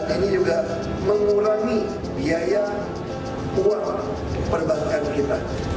ini juga mengurangi biaya uang perbankan kita